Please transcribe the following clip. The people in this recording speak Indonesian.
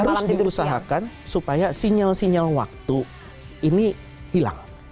harus diusahakan supaya sinyal sinyal waktu ini hilang